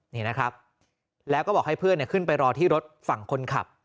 นี่นะครับแล้วก็บอกให้เพื่อนขึ้นไปรอที่รถฝั่งคนขับ